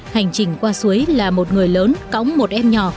hành trình qua suối là một người lớn cóng một em nhỏ